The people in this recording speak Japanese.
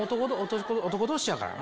男同士やからな。